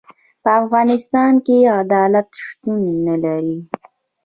په افغانستان کي عدالت شتون نلري.